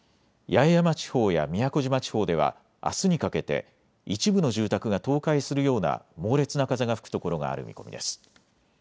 八重山地方や宮古島地方ではあすにかけて一部の住宅が倒壊するような猛烈な風が吹くところがある見込みです。